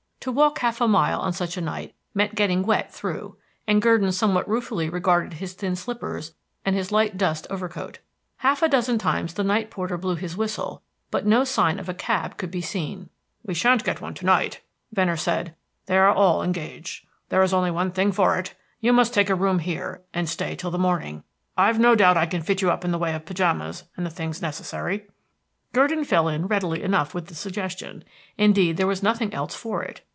To walk half a mile on such a night meant getting wet through; and Gurdon somewhat ruefully regarded his thin slippers and his light dust overcoat. Half a dozen times the night porter blew his whistle, but no sign of a cab could be seen. "We shan't get one to night," Venner said. "They are all engaged. There is only one thing for it you must take a room here, and stay till the morning. I've no doubt I can fit you up in the way of pyjamas and the things necessary." Gurdon fell in readily enough with the suggestion. Indeed, there was nothing else for it.